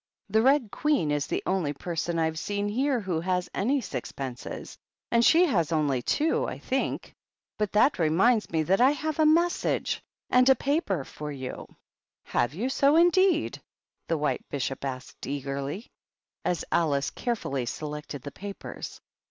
"The Red Queen is the only person I've seen here who has any sixpences, and she has only two, I think. But that reminds me that I have a ^ Message^ and a ^ Paper' for you." "Have you so, indeed?" the White Bishop asked eagerly, as Alice carefully selected the papers.